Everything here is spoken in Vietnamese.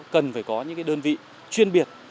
cần phải có những cái đơn vị chuyên biệt